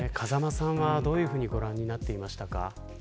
風間さんはどういうふうにご覧になっていましたか。